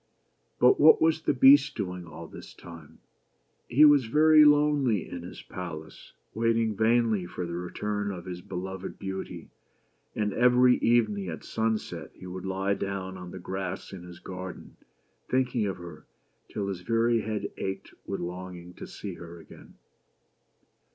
But what was the Beast doing all this time ? He was very lonely in his palace, waiting vainly for the return of his beloved Beauty ; and every evening, at sunset, he would lie down on the grass in his garden, thinking of her till his very head ached with longing to see her again.